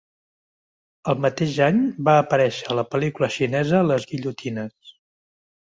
El mateix any, va aparèixer a la pel·lícula xinesa "Les Guillotines".